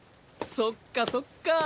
そっかそっか。